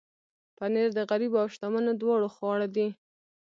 پنېر د غریبو او شتمنو دواړو خواړه دي.